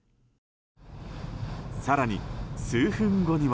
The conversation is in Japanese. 更に数分後には。